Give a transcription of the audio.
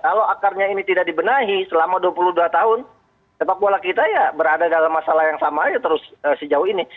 kalau akarnya ini tidak dibenahi selama dua puluh dua tahun sepak bola kita ya berada dalam masalah yang sama aja terus sejauh ini